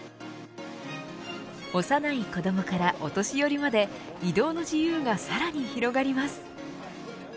幼い子どもからお年寄りまで移動の自由がさらに広がります。